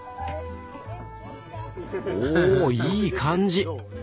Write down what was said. おおいい感じ。